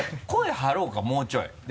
声張ろうかもうちょい。